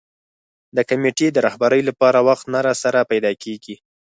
د کمېټې د رهبرۍ لپاره وخت نه راسره پیدا کېږي.